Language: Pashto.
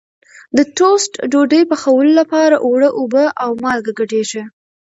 د ټوسټ ډوډۍ پخولو لپاره اوړه اوبه او مالګه ګډېږي.